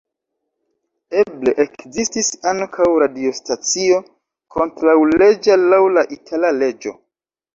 Eble ekzistis ankaŭ radiostacio kontraŭleĝa laŭ la itala leĝo.